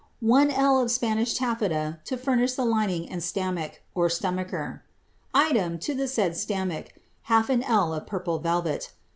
1 ell of Spanish taffeta, to furnish the lining and slammack (stomacher). Item, to the said stammack, half an ell of purple velvet.